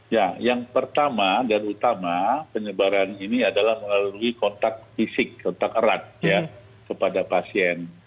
ya yang pertama dan utama penyebaran ini adalah melalui kontak fisik kontak erat ya kepada pasien